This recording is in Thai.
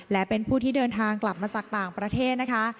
และเป็นผู้ที่เดินทางกลับมาจากต่างประเทศนะคะ